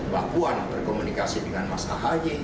wabuan berkomunikasi dengan mas ahaji